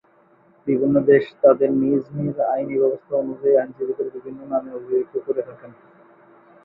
বিভিন্ন দেশ তাদের নিজ নিজ আইনী ব্যবস্থা অনুযায়ী আইনজীবীদের বিভিন্ন নামে অভিহিত করে থাকেন।